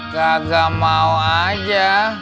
kagak mau aja